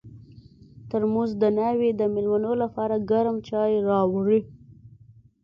ترموز د ناوې د مېلمنو لپاره ګرم چای راوړي.